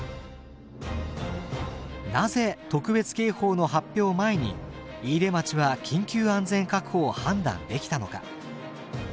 なぜ特別警報の発表前に飯豊町は緊急安全確保を判断できたのか。